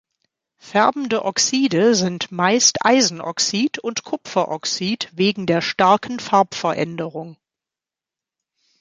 Färbende Oxide sind meist Eisenoxid und Kupferoxid wegen der starken Farbveränderung.